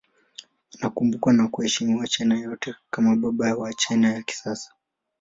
Anakumbukwa na kuheshimiwa China yote kama baba wa China ya kisasa.